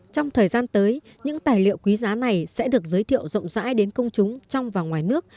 trong thời gian tới những tài liệu quý giá này sẽ được giới thiệu rộng rãi đến công chúng trong và ngoài nước